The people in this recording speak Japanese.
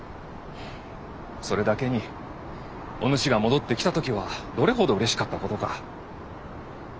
それだけにおぬしが戻ってきた時はどれほどうれしかったことか。